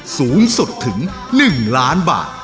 สูงสุดถึง๑ล้านบาท